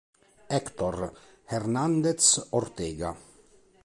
Héctor Hernández Ortega